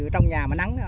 trong nhà mà nắng